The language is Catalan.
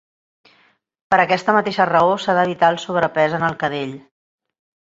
Per aquesta mateixa raó s'ha d'evitar el sobrepès en el cadell.